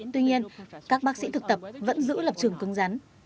tuy nhiên các bác sĩ thực tập vẫn giữ lập trường cứng rắn